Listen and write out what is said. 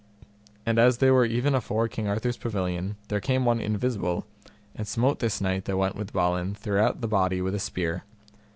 And as they were even afore King Arthur's pavilion, there came one invisible, and smote this knight that went with Balin throughout the body with a spear.